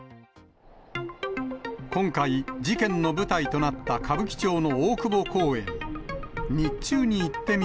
今回、事件の舞台となった歌舞伎町の大久保公園。